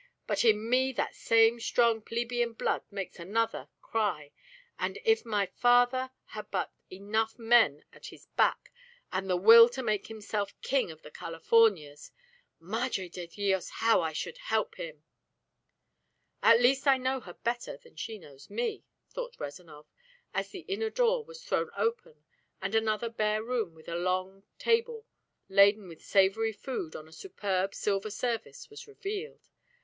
But in me that same strong plebeian blood makes another cry, and if my father had but enough men at his back, and the will to make himself King of the Californias Madre de Dios! how I should help him!" "At least I know her better than she knows me," thought Rezanov, as the inner door was thrown open and another bare room with a long table laden with savory food on a superb silver service was revealed.